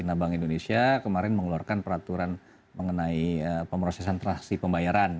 nah bank indonesia kemarin mengeluarkan peraturan mengenai pemrosesan transaksi pembayaran